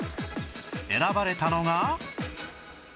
選ばれたのが